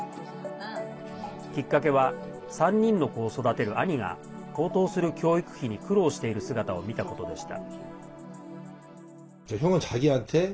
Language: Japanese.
きっかけは３人の子を育てる兄が高騰する教育費に苦労している姿を見たことでした。